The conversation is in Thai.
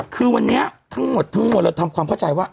คือวันนี้ทั้งหมดทั้งมวลเราทำความเข้าใจว่า